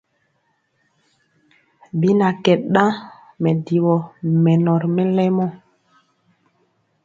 Bi na kɛ ɗaŋ mɛdivɔ mɛnɔ ri mɛlɛmɔ.